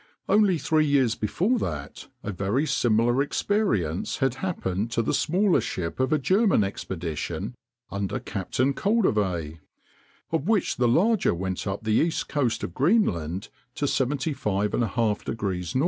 Only three years before that a very similar experience had happened to the smaller ship of a German expedition under Captain Koldewey, of which the larger went up the east coast of Greenland to 75½° N.